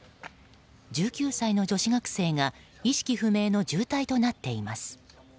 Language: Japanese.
１９歳の女子学生が意識不明の重体となっています。